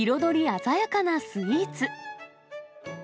鮮やかなスイーツ。